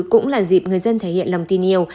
cũng là dịp người dân thể hiện lòng tin yêu